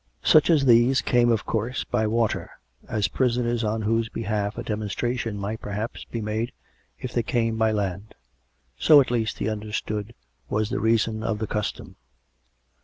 Such as these came, of course, by water, as prisoners on whose behalf a demonstration might perhaps be made if they came by land. So, at leasrt, he understood was the reason of the custom.